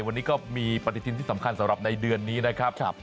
วันนี้ก็มีปฏิทินที่สำคัญสำหรับในเดือนนี้นะครับ